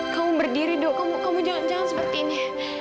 kamu berdiri do kamu jangan jangan seperti ini